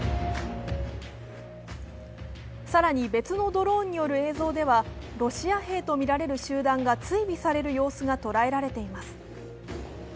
更に、別のドローンによる映像ではロシア兵とみられる集団が追尾される様子が捉えられています。